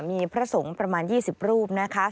มีพระสงฆ์ประมาณ๒๐รูปนะคะ